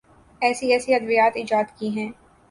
ایسی ایسی ادویات ایجاد کی ہیں۔